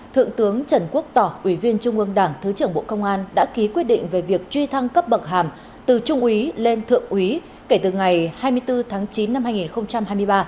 thượng tướng trần quốc tỏ ủy viên trung ương đảng thứ trưởng bộ công an đã ký quyết định về việc truy thăng cấp bậc hàm từ trung úy lên thượng úy kể từ ngày hai mươi bốn tháng chín năm hai nghìn hai mươi ba